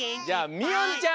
みおんちゃん。